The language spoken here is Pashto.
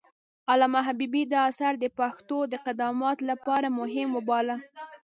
علامه حبيبي دا اثر د پښتو د قدامت لپاره مهم وباله.